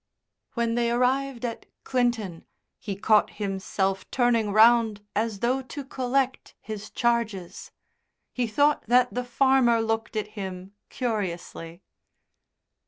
When they arrived at Clinton he caught himself turning round as though to collect his charges; he thought that the farmer looked at him curiously.